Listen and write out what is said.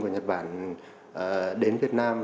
của nhật bản đến việt nam